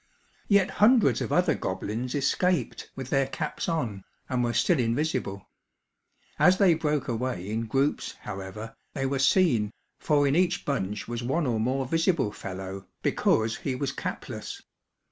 Yet hundreds of other goblins escaped, with their caps on, and were still invisible. As they broke away in groups, however, they were seen, for in each bunch was one or more visible fellow, because he was capless.